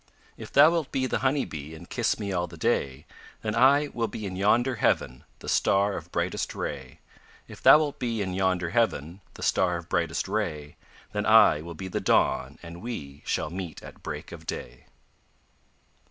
If thou wilt be the honey bee And kiss me all the day, Then I will be in yonder heaven The star of brightest ray. If thou wilt be in yonder heaven The star of brightest ray, Then I will be the dawn, and we Shall meet at break of day.